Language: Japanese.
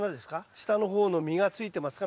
下の方の実がついてますか？